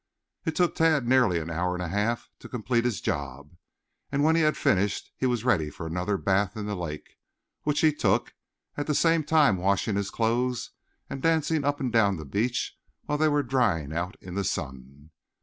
It took Tad nearly an hour and a half to complete his job, and when he had finished he was ready for another bath in the lake, which he took, at the same time washing his clothes and dancing up and down the beach while they were drying out in the sun.